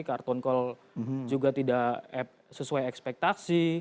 karton call juga tidak sesuai ekspektasi